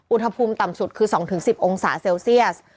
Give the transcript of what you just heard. อุณหภูมิต่ำสุดคือ๒๑๐องศาเซลเซียส